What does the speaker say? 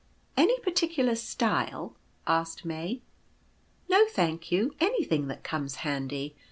" Any particular style? " asked May. "No, thank you; anything that comes handy.